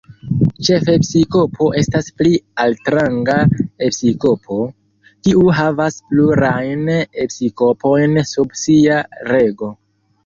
Ĉefepiskopo estas pli altranga episkopo, kiu havas plurajn episkopojn sub sia rego.